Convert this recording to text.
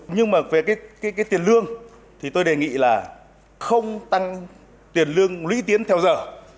nhưng mà về tiền lương tôi đề nghị là không tăng tiền lương lưỡi tiến theo giờ